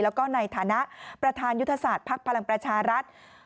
แล้วก็ในฐานะประธานยุทธศาสตร์ภักดิ์พลังประชารัฐ